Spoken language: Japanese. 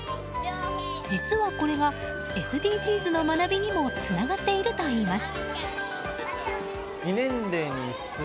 実はこれがＳＤＧｓの学びにもつながっているといいます。